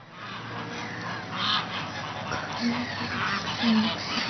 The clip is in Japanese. こんなにたくさんの草花。